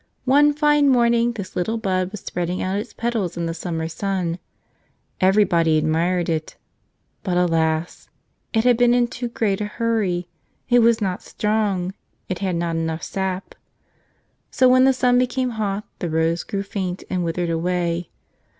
one fine morning this little bud was spreading out its petals in the summer sun. Everybody admired it. But alas ! it had been in too great a hurry ; it was not strong; it had not enough sap. So when the sun be¬ came hot the rose grew faint and withered away.